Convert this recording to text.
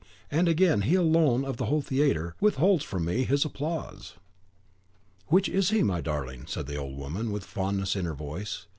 and again, he alone, of the whole theatre, withholds from me his applause." "Which is he, my darling?" said the old woman, with fondness in her voice.